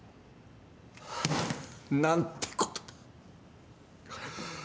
何てことだ。